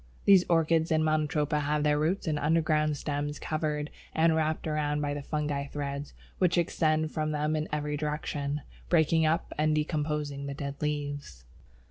These Orchids and Monotropa have their roots and underground stems covered and wrapped round by the fungus threads, which extend from them in every direction, breaking up and decomposing the dead leaves.